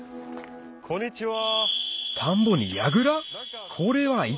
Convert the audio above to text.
こんにちは。